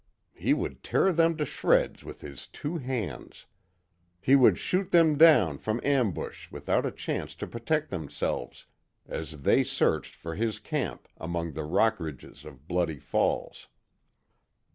He would tear them to shreds with his two hands. He would shoot them down from ambush without a chance to protect themselves, as they searched for his camp among the rock ridges of Bloody Falls.